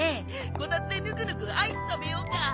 こたつでぬくぬくアイス食べようか！